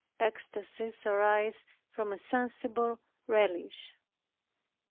Ecstacies arise from a sensible relish.